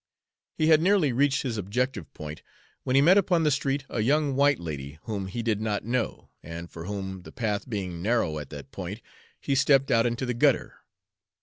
He had nearly reached his objective point when he met upon the street a young white lady, whom he did not know, and for whom, the path being narrow at that point, he stepped out into the gutter.